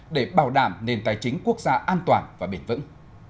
để bảo đảm nền tài chính quốc gia an toàn và bền vững